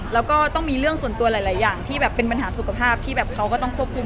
แล้วก็ต้องมีเรื่องส่วนตัวหลายอย่างที่แบบเป็นปัญหาสุขภาพที่แบบเขาก็ต้องควบคุม